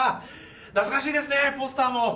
懐かしいですねポスターも。